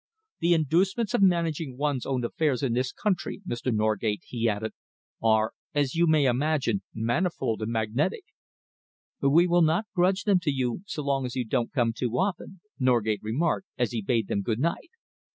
The inducements of managing one's own affairs in this country, Mr. Norgate," he added, "are, as you may imagine, manifold and magnetic." "We will not grudge them to you so long as you don't come too often," Norgate remarked, as he bade them good night.